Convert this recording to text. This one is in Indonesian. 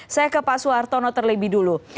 saya ke pak suhartono terlebih dulu